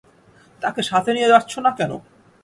তাকে সাথে নিয়ে যাচ্ছ না কেন?